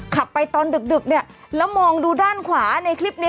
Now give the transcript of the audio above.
ขับไปตอนดึกเนี่ยแล้วมองดูด้านขวาในคลิปนี้